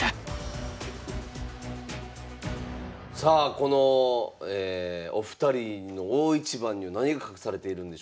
さあこのお二人の大一番には何が隠されているんでしょうか。